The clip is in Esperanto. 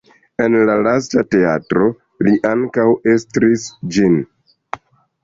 En la lasta teatro li ankaŭ estris ĝin.